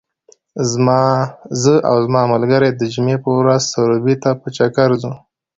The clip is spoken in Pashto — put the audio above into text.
زه او زما ملګري د جمعې په ورځ سروبي ته په چکر ځو .